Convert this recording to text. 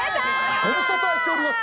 ご無沙汰しております。